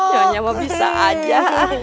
ya udah mau bisa aja